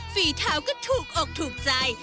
ฝีเท้าก็ถูกอกถูกใจ